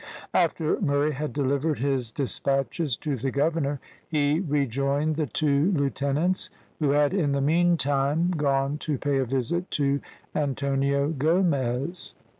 After Murray had delivered his despatches to the governor, he rejoined the two lieutenants, who had in the meantime gone to pay a visit to Antonio Gomez.